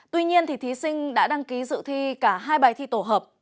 tuy nhiên thí sinh đã đăng ký dự thi cả hai bài thi tổ hợp